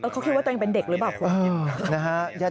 เขาคิดว่าตัวเองเป็นเด็กหรือเปล่าคุณ